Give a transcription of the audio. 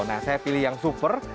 nah saya pilih yang super